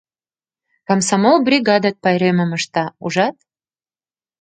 Комсомол бригадат пайремым ышта, ужат?